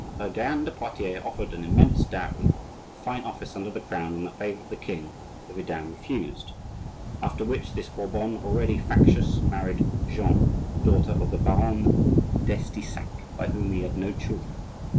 Though Diane de Poitiers offered an immense dowry, a fine office under the crown, and the favor of the king, the vidame refused. After which, this Bourbon, already factious, married Jeanne, daughter of the Baron d'Estissac, by whom he had no children.